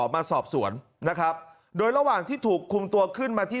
มาสอบสวนนะครับโดยระหว่างที่ถูกคุมตัวขึ้นมาที่